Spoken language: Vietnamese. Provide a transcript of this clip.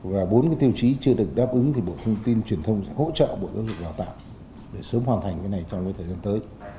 và bốn cái tiêu chí chưa được đáp ứng thì bộ thông tin truyền thông sẽ hỗ trợ bộ giáo dục đào tạo để sớm hoàn thành cái này trong thời gian tới